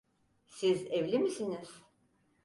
Siz evli misiniz?